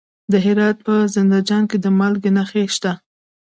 د هرات په زنده جان کې د مالګې نښې شته.